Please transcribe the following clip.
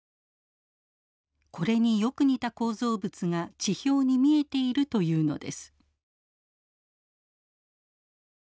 これによく似た構造物が地表に見えているというのです。